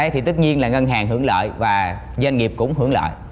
thì tất nhiên là ngân hàng hưởng lợi và doanh nghiệp cũng hưởng lợi